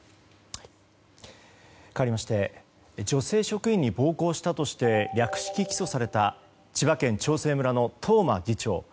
かわりまして女性職員に暴行したとして略式起訴された千葉県長生村の東間議長。